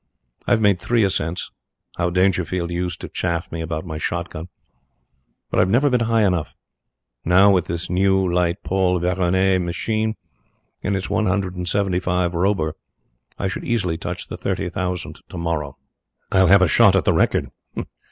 I've made three ascents how Dangerfield used to chaff me about my shot gun but I've never been high enough. Now, with this new, light Paul Veroner machine and its one hundred and seventy five Robur, I should easily touch the thirty thousand tomorrow. I'll have a shot at the record.